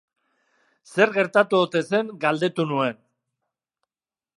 Zer gertatu ote zen galdetu nuen.